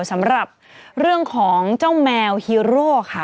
สำหรับเรื่องของเจ้าแมวฮีโร่ค่ะ